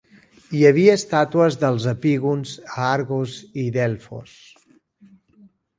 Hi havia estàtues dels epígons a Argos i Delfos.